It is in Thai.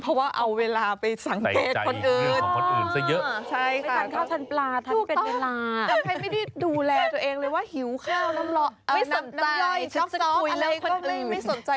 หิวข้าวน้ำหลอกน้ำย่อยช็อคอะไรก็เลยไม่สนใจ